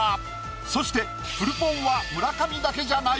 そしてフルポンは村上だけじゃない。